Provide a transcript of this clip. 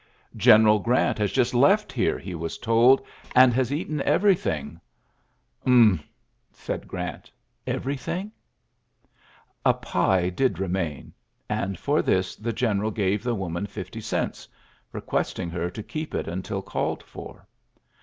^'Gteneral Grant has just left here,'' he was told, ^* and has eaten everything. "^^ TTmph, '' said Grant, ^'everything?" A pie did remain ; and for this the general gave the woman fifty cents, requesting her to keep it until called for.